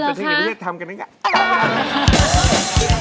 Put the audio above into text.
มันเป็นเทคนิคว่าเย็ดทำกันอย่างงี้